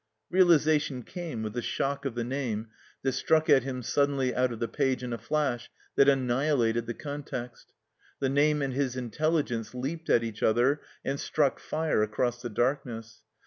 Realization came with the shock of the name that struck at him suddenly out of the page in a flash that annihilated the context. Hie name and his intelligence leaped at each other and struck fire across the darkness.